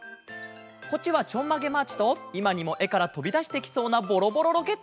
こっちは「ちょんまげマーチ」といまにもえからとびだしてきそうな「ボロボロロケット」。